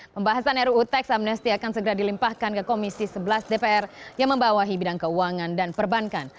pembahasan ruu teks amnesti akan segera dilimpahkan ke komisi sebelas dpr yang membawahi bidang keuangan dan perbankan